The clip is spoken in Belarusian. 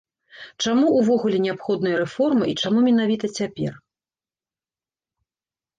Чаму ўвогуле неабходныя рэформы і чаму менавіта цяпер?